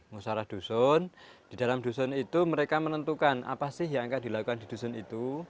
musarah dusun di dalam dusun itu mereka menentukan apa sih yang akan dilakukan di dusun itu